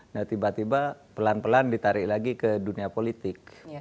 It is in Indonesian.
nah tiba tiba pelan pelan ditarik lagi ke dunia politik